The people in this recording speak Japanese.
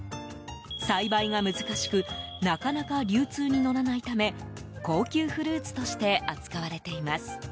栽培が難しくなかなか流通に乗らないため高級フルーツとして扱われています。